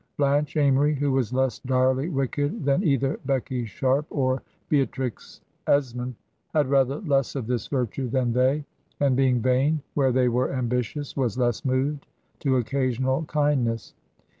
Blanche Amory, who was less direly wicked than either Becky Sharp VT Beatrix Esmond, had rather less of this virtue than they, and being vain where they were ambitious, was less moved to occasional kindness.